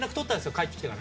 帰ってきてから。